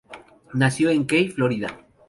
Nació en Key, Florida.